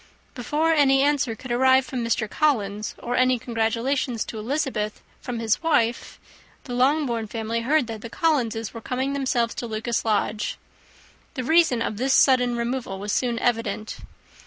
Before any answer could arrive from Mr. Collins, or any congratulations to Elizabeth from his wife, the Longbourn family heard that the Collinses were come themselves to Lucas Lodge. The reason of this sudden removal was soon evident.